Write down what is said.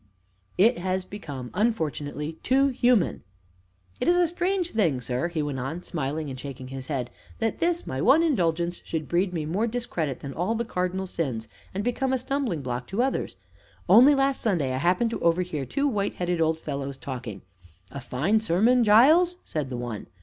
"It has become, unfortunately, too human! It is a strange thing, sir," he went on, smiling and shaking his head, "that this, my one indulgence, should breed me more discredit than all the cardinal sins, and become a stumbling block to others. Only last Sunday I happened to overhear two white headed old fellows talking. 'A fine sermon, Giles?' said the one.